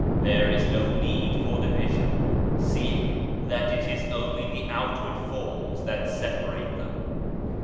There is no need for division, seeing that it is only the outward forms that separate them.